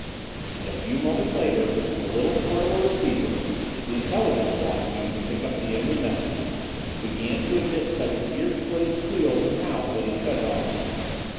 And a few moments later the little portable receiver, the Intelligence Boss used to pick up the enemy messages, began to emit such ear splitting squeals and howls that he shut it off.